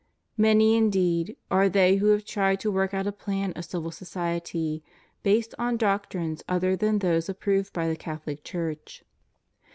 Many, indeed, are they who have tried to work out a plan of civil society based on doctrines other than those approved by the Cathohc Church.